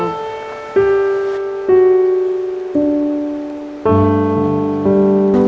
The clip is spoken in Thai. ราว